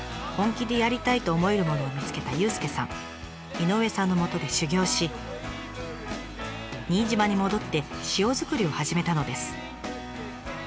井上さんのもとで修業し新島に戻って塩作りを始めたのです。